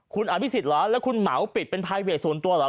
คุณอภิษฎเหรอแล้วคุณเหมาปิดเป็นไพเวทส่วนตัวเหรอ